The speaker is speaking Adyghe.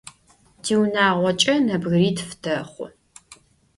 Tiunağoç'e nebgıritf texhu.